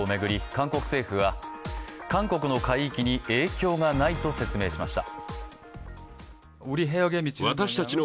韓国政府は、韓国の海域に影響がないと説明しました。